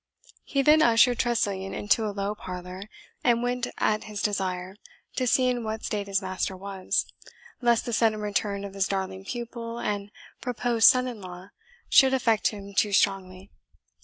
He then ushered Tressilian into a low parlour, and went, at his desire, to see in what state his master was, lest the sudden return of his darling pupil and proposed son in law should affect him too strongly.